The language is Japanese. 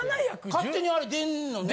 勝手にあれ出んのね。